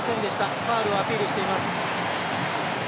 ファウルをアピールしています。